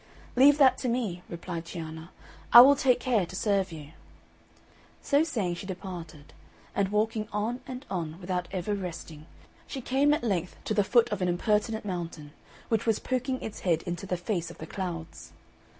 "Leave that to me," replied Cianna, "I will take care to serve you." So saying, she departed, and walking on and on without ever resting, she came at length to the foot of an impertinent mountain, which was poking its head into the face of the clouds.